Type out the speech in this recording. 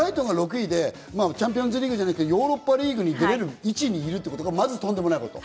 チャンピオンズリーグに出てヨーロッパリーグに出れる位置にいるということがまず、とんでもないこと。